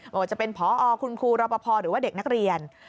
ว่าจะเป็นพอคุณครูรอปภหรือว่าเด็กนักเรียน